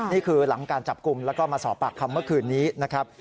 นี่คือหลังการจับกลุ่มแล้วก็มาสอบปากคำเมื่อคืนนี้นะครับ